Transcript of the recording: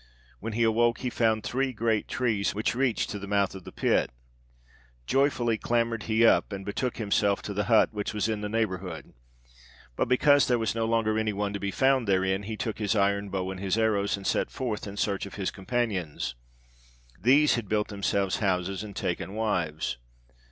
When he awoke, he found three great trees which reached to the mouth of the pit. Joyfully clambered he up and betook himself to the hut, which was in the neighbourhood. But, because there was no longer any one to be found therein, he took his iron bow and his arrows, and set forth in search of his companions. These had built themselves houses and taken wives.